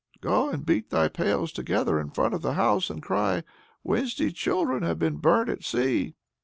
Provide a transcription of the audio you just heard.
Go and beat thy pails together in front of the house, and cry, 'Wednesday's children have been burnt at sea!'